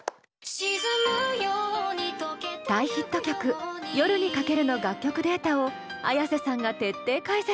大ヒット曲「夜に駆ける」の楽曲データをＡｙａｓｅさんが徹底解説。